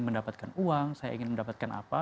mendapatkan uang saya ingin mendapatkan apa